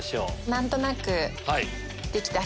何となく。